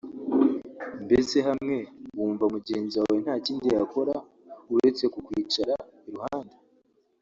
Mbese hamwe wumva mugenzi wawe nta kindi yakora uretse kukwicara iruhande